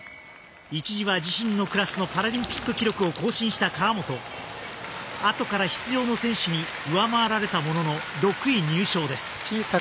一時は自身のクラスのパラリンピック記録を更新した川本あとから出場の選手に上回られたものの６位入賞です。